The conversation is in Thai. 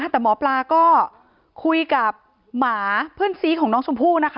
แต่หมอปลาก็คุยกับหมาเพื่อนซีของน้องชมพู่นะคะ